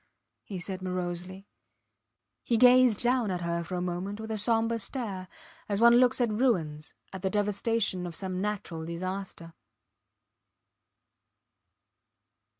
he said, morosely. He gazed down at her for a moment with a sombre stare, as one looks at ruins, at the devastation of some natural disaster.